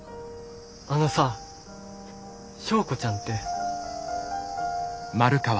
あのさ昭子ちゃんて。